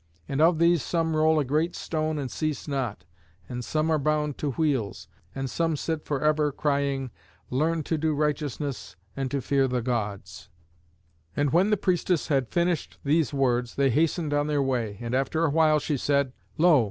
And of these some roll a great stone and cease not, and some are bound to wheels, and some sit for ever crying, 'Learn to do righteousness and to fear the Gods.'" [Illustration: THE FURY AT THE FEAST.] And when the priestess had finished these words they hastened on their way. And, after a while, she said, "Lo!